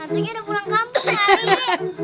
hantunya udah pulang kampung hari ini